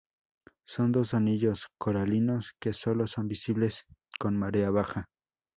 Son dos anillos coralinos que sólo son visibles con marea baja.